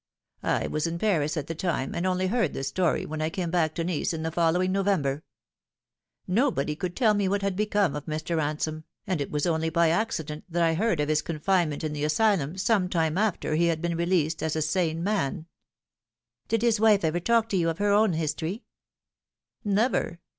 I was in Paris at the time, and only heard the story when I came back to Nice in the following November. Nobody could tell me what had become of Mr. Ransome, and it was only by accident that I heard of his con Not Proven. 288 finement in the asylum some time after he had been released as a sane man." " Did his wife ever talk to you of her own history ?"" Never.